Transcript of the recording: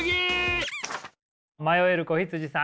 迷える子羊さん。